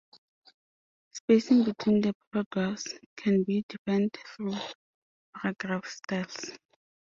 Spacing between the paragraphs can be defined through paragraph styles.